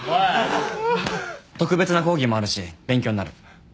特別な講義もあるし勉強になる。